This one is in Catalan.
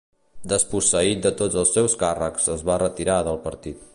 Desposseït de tots els seus càrrecs, es va retirar del partit.